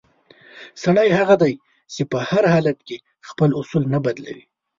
سړی هغه دی چې په هر حالت کې خپل اصول نه بدلوي.